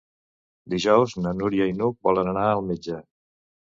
Dijous na Núria i n'Hug volen anar al metge.